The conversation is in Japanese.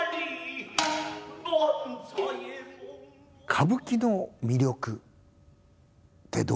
歌舞伎の魅力ってどうでしょう？